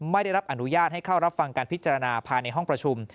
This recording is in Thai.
ไม่ได้รับอนุญาตให้เข้ารับฟังการพิจารณาภายในห้องประชุม